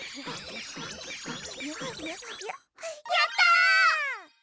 やった！